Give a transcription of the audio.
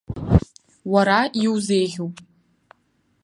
Уара иузеиӷьуп.